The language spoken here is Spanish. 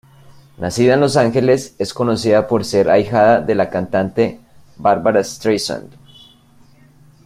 Nacida en Los Ángeles, es conocida por ser ahijada de la cantante Barbra Streisand.